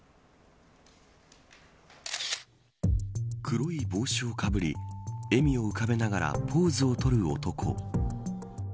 黒い帽子をかぶり笑みを浮かべながらポーズをとる男。